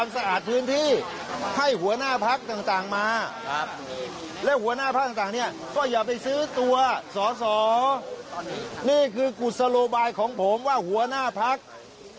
นี่คือกุศโลบายของผมว่าหัวหน้าพัก